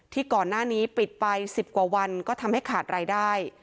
ก่อนหน้านี้ปิดไป๑๐กว่าวันก็ทำให้ขาดรายได้